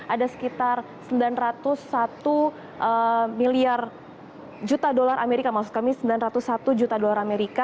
ada sekitar sembilan ratus satu miliar juta dolar amerika maksud kami sembilan ratus satu juta dolar amerika